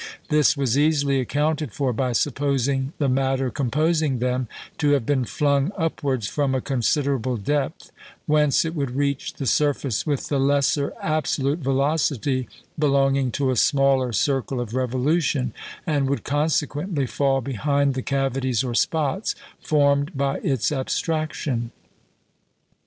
This was easily accounted for by supposing the matter composing them to have been flung upwards from a considerable depth, whence it would reach the surface with the lesser absolute velocity belonging to a smaller circle of revolution, and would consequently fall behind the cavities or "spots" formed by its abstraction.